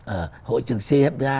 ở hội trường cfda